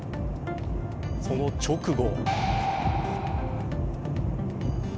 その直後。